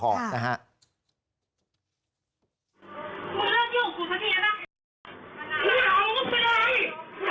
สมชื่อของเบลกดัน